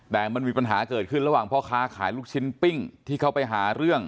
แต่มันมีปัญหาเกิดขึ้นระหว่างพ่อค้าขายลูกชิ้นปิ้งที่เขาไปหาเรื่อง